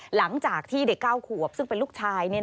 หลังจากที่เด็ก๙ขวบซึ่งเป็นลูกชาย